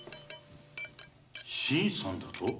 「新さん」だと？